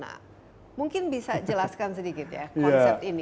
nah mungkin bisa jelaskan sedikit ya konsep ini